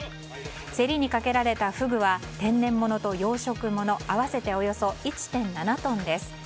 競りにかけられたフグは天然物と養殖物合わせておよそ１．７トンです。